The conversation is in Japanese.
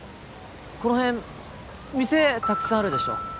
この辺店たくさんあるでしょ